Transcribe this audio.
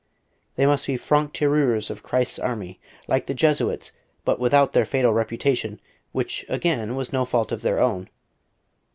They must be franc tireurs of Christ's Army; like the Jesuits, but without their fatal reputation, which, again, was no fault of their own.